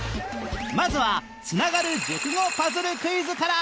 まずはつながる熟語パズルクイズから